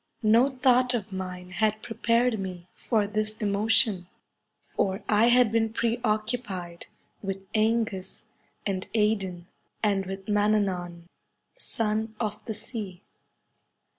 No thought of mine had prepared me for this emotion, for I had been pre occupied with /Engus and Edain, and with Mannanan, son of the sea.